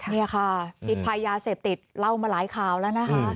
นี่ค่ะพิษภัยยาเสพติดเล่ามาหลายข่าวแล้วนะคะ